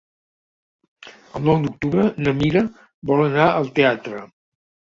El nou d'octubre na Mira vol anar al teatre.